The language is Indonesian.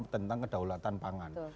tentang kedaulatan pangan